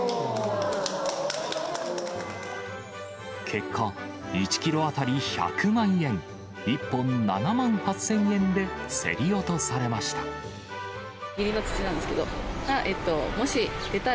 結果、１キロ当たり１００万円、１本７万８０００円で競り落とされました。